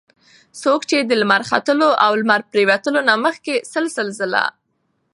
څوک چې د لمر ختلو او لمر پرېوتلو نه مخکي سل سل ځله